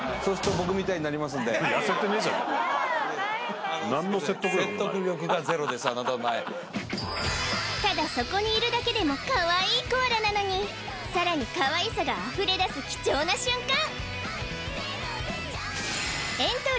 お前何の説得力もないあなたの場合ただそこにいるだけでもかわいいコアラなのにさらにかわいさがあふれだす貴重な瞬間！